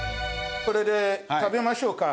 これで食べましょうか。